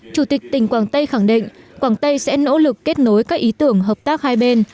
chủ tịch tỉnh quảng tây khẳng định quảng tây sẽ nỗ lực kết nối các ý tưởng hợp tác hai bên